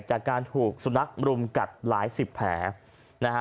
จากการถูกสุรนักษมณ์บรุมกัดหลาย๑๐แผลนะฮะ